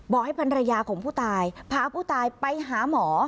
ให้ภรรยาของผู้ตายพาผู้ตายไปหาหมอ